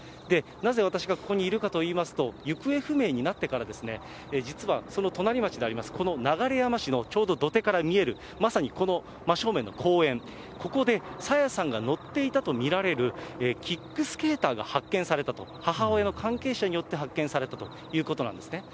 なぜ私がここにいるかといいますと、行方不明になってから、実は、その隣町であります、この流山市のちょうど土手から見える、まさにこの真正面の公園、ここで朝芽さんが乗っていたと見られるキックスケーターが発見されたと、母親の関係者によって発見されたということなんですね。